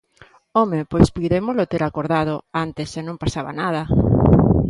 ¡Home!, pois puidémolo ter acordado antes e non pasaba nada.